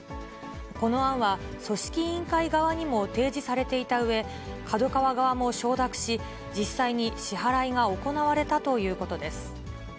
この案は、組織委員会側にも提示されていたうえ、ＫＡＤＯＫＡＷＡ側も承諾し、実際に支払いが行われたということです。